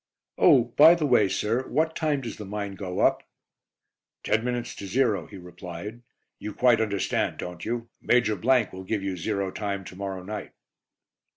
"Oh, by the way, sir, what time does the mine go up?" "Ten minutes to zero," he replied. "You quite understand, don't you? Major will give you zero time to morrow night."